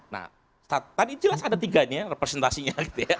nah tadi jelas ada tiga nih ya representasinya